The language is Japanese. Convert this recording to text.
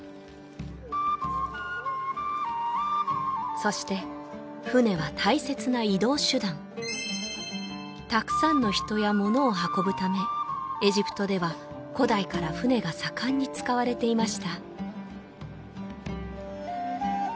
そして船は大切な移動手段たくさんの人や物を運ぶためエジプトでは古代から船が盛んに使われていました